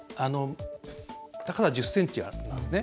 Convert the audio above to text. だから１０ｃｍあるんですね。